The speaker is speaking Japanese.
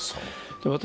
私